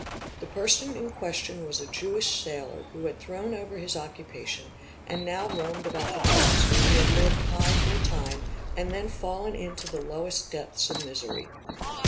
The person in question was a Jewish sailor ~ who had thrown over his occupation and now roamed about the docks, _where he had lived high for a time and then fallen into the lowest depths ' of misery.